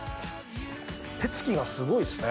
手つきがすごいですね